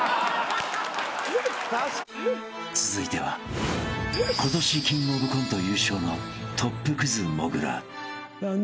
［続いては今年キングオブコント優勝のトップクズ］